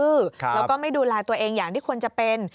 แล้วก็ไม่ดูแลตัวเองอย่างที่ควรจะเป็น